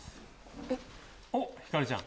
おっひかるちゃん。